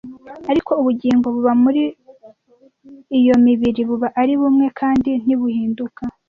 ariko ubugingo buba buri muri iyo mibiri buba ari bumwe kandi ntibuhinduka